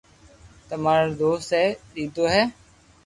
تماري دوست اي ديدو ھي